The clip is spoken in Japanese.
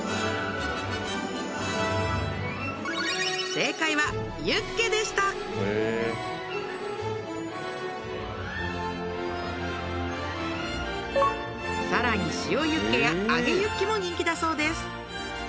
正解はユッケでしたさらに塩ユッケや揚げユッケも人気だそうです